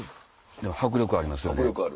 迫力ありますよね。